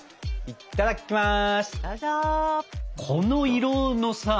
いただきます。